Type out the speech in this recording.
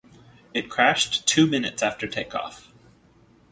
It crashed two minutes after take-off.